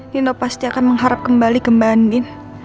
nino pasti akan mengharap kembali ke mbak andin